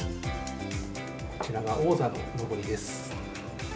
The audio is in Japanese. こちらが王座ののぼりです。